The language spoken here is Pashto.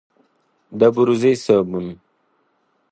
د بوروزې صابون،